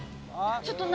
ちょっと何？